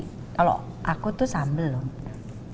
kalau aku tuh sambel loh